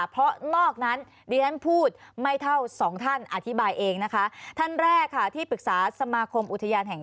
เพราะนอกนั้น